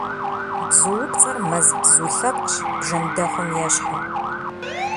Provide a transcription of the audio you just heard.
Бзуупцӏэр мэз бзу лъэпкъщ, бжэндэхъум ещхьу.